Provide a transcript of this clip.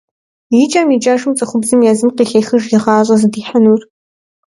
Икӏэм-икӏэжым цӏыхубзым езым къыхехыж и гъащӏэр зыдихьынур.